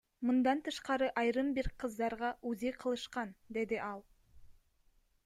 Мындан тышкары айрым бир кыздарга УЗИ кылышкан, — деди ал.